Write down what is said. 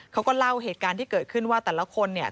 เขาก็เล่าเหตุการณ์ที่เกิดขึ้นว่าแต่ละคนเนี่ย